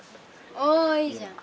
おいいじゃん。